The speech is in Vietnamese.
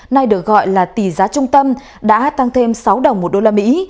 nay được gọi là tỷ giá trung tâm đã tăng thêm sáu đồng một đô la mỹ